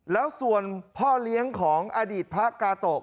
แล้วส่วนพ่อเลี้ยงของอดีตพระกาโตะ